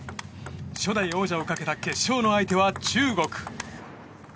初代王者をかけた決勝の相手は中国。